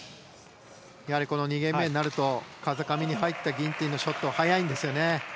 ２ゲーム目になると風上になったギンティンのショットは速いんですね。